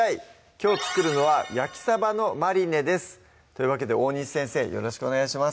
きょう作るのは「焼きサバのマリネ」ですというわけで大西先生よろしくお願いします